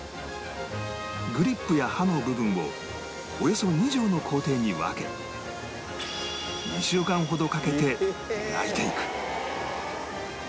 グリップや刃の部分をおよそ２０の工程に分け２週間ほどかけて磨いていく